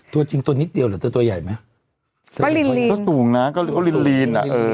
ตัวจริงตัวนิดเดียวหรือตัวตัวใหญ่ไหมก็ลินลินก็สูงน่ะก็ลินลินอ่ะเออ